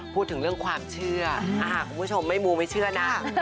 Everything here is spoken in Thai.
พูดถึงเรื่องความเชื่อคุณผู้ชมไม่มูไม่เชื่อนะ